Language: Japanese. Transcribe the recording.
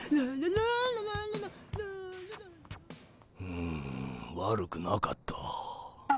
うん悪くなかった。